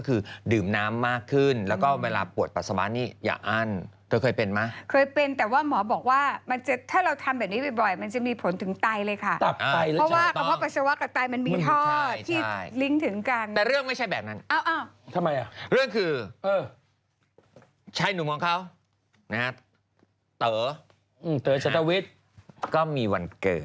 เขารับแล้วหรอคะ